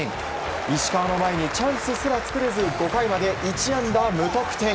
石川の前にチャンスすら作れず５回まで１安打無得点。